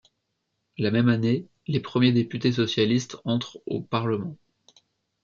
La même année, les premiers députés socialistes entrent au Parlement.